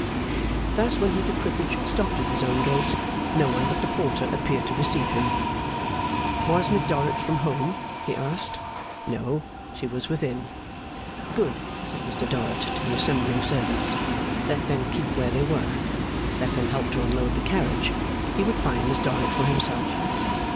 Thus, when his equipage stopped at his own gate, no one but the porter appeared to receive him. Was Miss Dorrit from home? he asked. No. She was within. Good, said Mr Dorrit to the assembling servants; let them keep where they were; let them help to unload the carriage; he would find Miss Dorrit for himself.